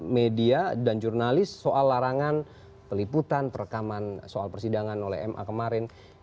media dan jurnalis soal larangan peliputan perekaman soal persidangan oleh ma kemarin